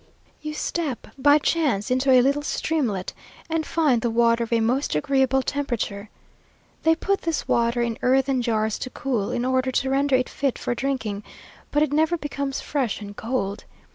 You step by chance into a little streamlet, and find the water of a most agreeable temperature. They put this water in earthen jars to cool, in order to render it fit for drinking, but it never becomes fresh and cold.